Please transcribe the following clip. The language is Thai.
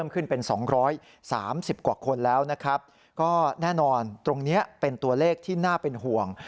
ก็แน่นอนตรงนี้เป็นตัวเลขที่น่าเป็นห่วง